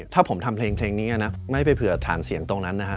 ถ้าผมทำเพลงนี้นะไม่ไปเผื่อฐานเสียงตรงนั้นนะฮะ